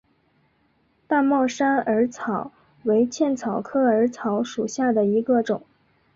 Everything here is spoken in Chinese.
大帽山耳草为茜草科耳草属下的一个种。